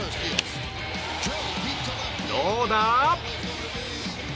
どうだ？